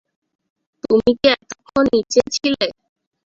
তুমি কি এতক্ষণ নিচেই ছিলে?